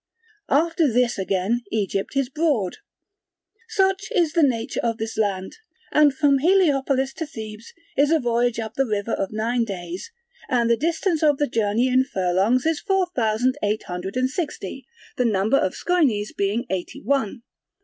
After this again Egypt is broad. Such is the nature of this land: and from Heliopolis to Thebes is a voyage up the river of nine days, and the distance of the journey in furlongs is four thousand eight hundred and sixty, the number of schoines being eighty one.